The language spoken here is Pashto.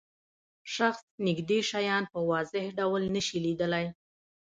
شخص نږدې شیان په واضح ډول نشي لیدلای.